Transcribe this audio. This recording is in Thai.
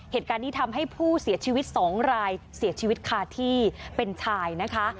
เหตุการณ์นี้ทำให้ผู้เสียชีวิตสองรายเสียชีวิตคาที่เป็นชายนะคะ